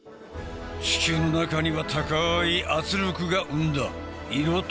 地球の中には高い圧力が生んだ色